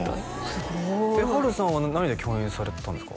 すごい波瑠さんは何で共演されてたんですか？